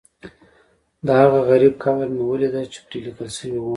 دهغه غریب قبر مې هم ولیده چې پرې لیکل شوي و.